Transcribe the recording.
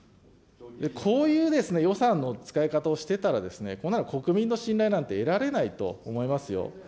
こういう予算の使い方をしてたら、こんなの国民の信頼なんて得られないと思いますよ。